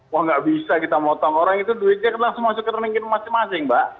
wah nggak bisa kita motong orang itu duitnya langsung masuk ke rekening kita masing masing mbak